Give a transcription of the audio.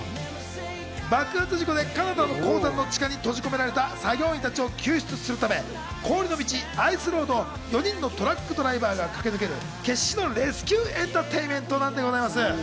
爆発事故でカナダの鉱山の地下に閉じ込められた作業員たちを救出するため、氷の道、アイス・ロードを４人のトラックドライバーが駆け抜ける決死のレスキューエンターテインメントでございます。